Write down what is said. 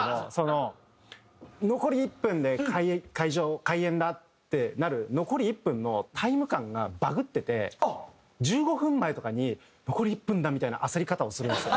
残り１分で開演だってなる残り１分のタイム感がバグってて１５分前とかに残り１分だみたいな焦り方をするんですよ。